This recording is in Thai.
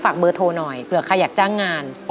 เบอร์โทรหน่อยเผื่อใครอยากจ้างงาน